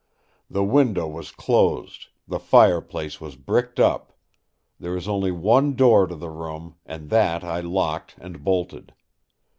The window was closed; the fireplace was bricked up. There is only one door to the room, and that I locked and bolted.